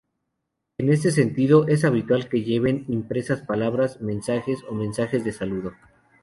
En este sentido, es habitual que lleven impresas palabras, mensajes o mensajes de saludo.